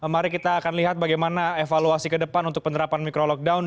mari kita akan lihat bagaimana evaluasi ke depan untuk penerapan micro lockdown